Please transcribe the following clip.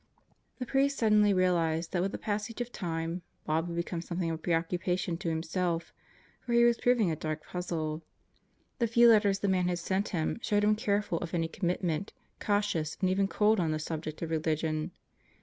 The priest suddenly realized that with the passage of time Bob had become something of a preoccupation to himself; for he was proving a dark puzzle. The few letters the man had sent him showed him careful of any commitment, cautious and even cold on the subject of religion.